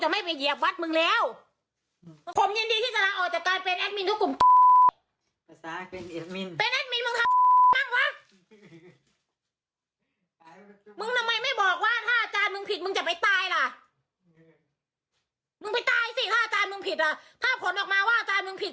มึงไปตายสิถ้าอาจารย์มึงผิดอ่ะถ้าผลออกมาว่าอาจารย์มึงผิด